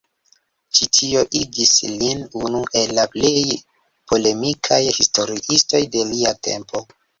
Ĉi tio igis lin unu el la plej polemikaj historiistoj de lia tempo.